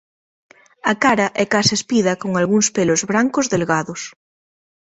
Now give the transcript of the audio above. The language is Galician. A cara é case espida con algúns pelos brancos delgados.